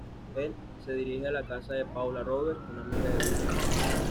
Él se dirige a la casa de Paula Roberts, una amiga de Brooke.